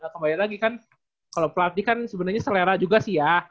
kembali lagi kan kalau pelatih kan sebenarnya selera juga sih ya